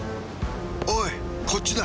おいこっちだ。